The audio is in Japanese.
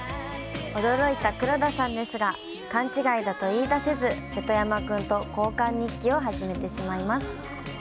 驚いた黒田さんですが、勘違いだと言いだせず、瀬戸山君と交換日記を始めてしまいます。